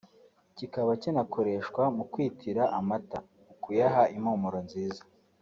kikaba kinakoreshwa mu kwitira amata (mu kuyaha impumuro nziza)